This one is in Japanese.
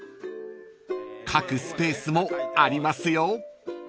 ［書くスペースもありますよ］